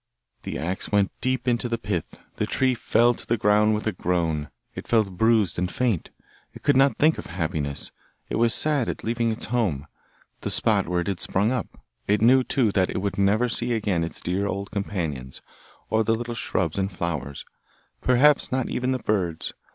The axe went deep into the pith; the tree fell to the ground with a groan; it felt bruised and faint. It could not think of happiness, it was sad at leaving its home, the spot where it had sprung up; it knew, too, that it would never see again its dear old companions, or the little shrubs and flowers, perhaps not even the birds.